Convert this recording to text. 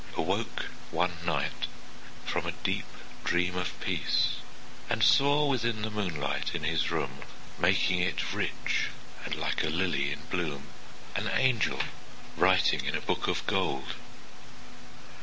Awoke one night from a deep dream of peace, And saw—within the moonlight in his room, Making it rich and like a lily in bloom—An angel, writing in a book of gold.